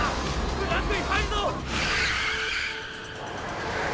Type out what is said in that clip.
クランクに入るぞ！